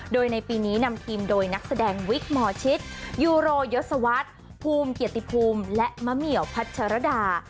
โดยในปีนี้นำทีมโดยนักแสดงวิกหมอชิตยูโรยศวรรษภูมิเกียรติภูมิและมะเหมียวพัชรดา